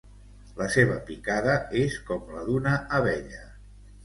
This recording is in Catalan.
La seva picada és com la d'una abella.